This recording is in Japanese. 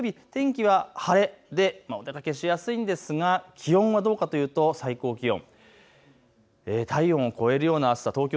日曜日、月曜日、天気は晴れでお出かけしやすいんですが気温はどうかというと最高気温、体温を超えるような暑さ。